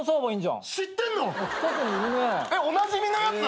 おなじみのやつ？